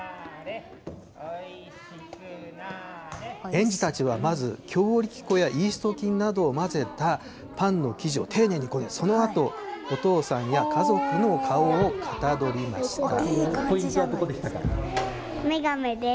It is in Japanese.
園児たちはまず、強力粉やイースト菌などを混ぜたパンの生地を丁寧にこね、そのあと、お父さんや家族の顔をかたどりました。